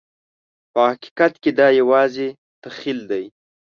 په حقیقت کې دا یوازې تخیل دی.